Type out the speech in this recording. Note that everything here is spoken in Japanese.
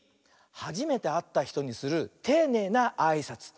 はじめてあったひとにするていねいなあいさつ。